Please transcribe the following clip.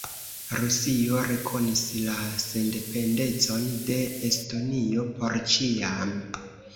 Rusio rekonis la sendependecon de Estonio "por ĉiam".